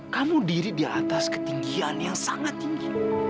kamu diri di atas ketinggian yang sangat tinggi